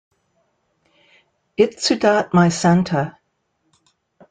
Itsudatte My Santa!